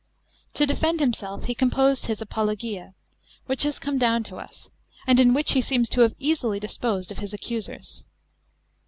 To defend himself he composed his Apologia, which has come down to us, and CHAP. xxnc. APULEIUS. 555 in which he seems to have easily disposed of his accusers.